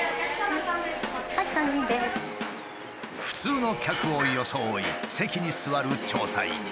普通の客を装い席に座る調査員。